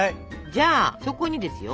じゃあそこにですよ。